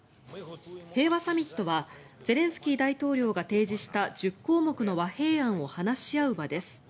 平和サミットはゼレンスキー大統領が提示した１０項目の和平案を話し合う場です。